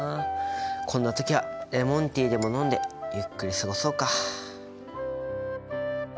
こんな時はレモンティーでも飲んでゆっくり過ごそうか。